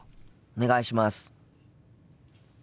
お願いします。